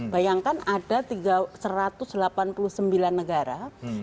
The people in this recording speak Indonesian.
bayangkan ada satu ratus delapan puluh sembilan negara